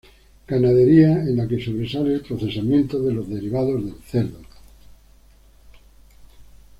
Ganadería en la que sobresale el procesamiento de los derivados del cerdo.